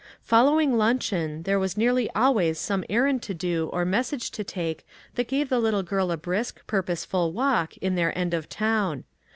Following luncheon, there was nearly always some errand to do or message to take that gave the little girl a brisk, purposeful walk in their end of the town.